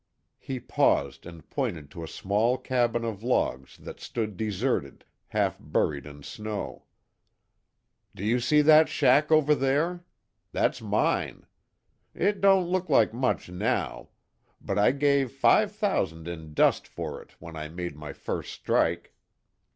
He paused and pointed to a small cabin of logs that stood deserted, half buried in snow. "Do you see that shack over there? That's mine. It don't look like much, now. But, I gave five thousand in dust for it when I made my first strike."